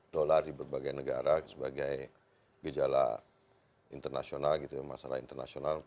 dolar di berbagai negara sebagai gejala internasional gitu ya masalah internasional